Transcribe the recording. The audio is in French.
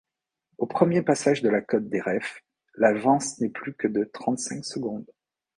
Au premier passage de la côte d'Ereffe, l'avance n'est plus que de trente-cinq secondes.